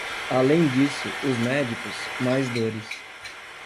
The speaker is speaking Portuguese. Além disso, os médicos, mais dores.